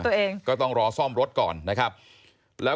ถ้าเขาถูกจับคุณอย่าลืม